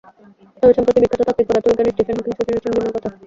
তবে সম্প্রতি বিখ্যাত তাত্ত্বিক পদার্থবিজ্ঞানী স্টিফেন হকিং শুনিয়েছেন ভিন্ন কথা।